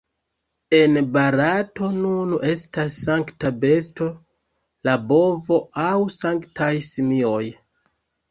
En Barato nun estas sankta besto la bovo aŭ sanktaj simioj.